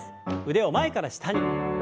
腕を前から下に。